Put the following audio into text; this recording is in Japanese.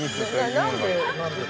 ◆何で？